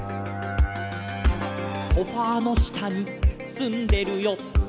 「ソファの下にすんでるよ」